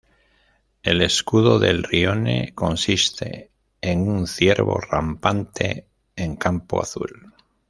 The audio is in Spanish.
El escudo del "rione" consiste en un ciervo rampante en campo azul.